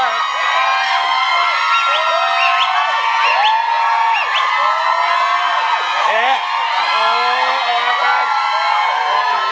แอเออแออาการ